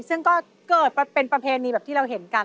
ซึ่งก็เกิดเป็นประเพณีแบบที่เราเห็นกัน